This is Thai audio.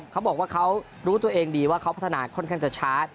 เขาบอกว่าเขารู้ตัวเองดีว่าเขาพัฒนาค่อนข้างจะช้า